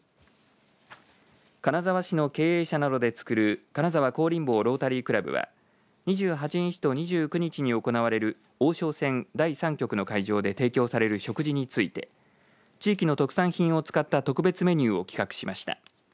金沢市の経営者などでつくる金沢香林坊ロータリークラブは２８日と２９日に行われる王将戦第３局の会場で提供される食事について地域の特産品を使った特別メニューを企画しました。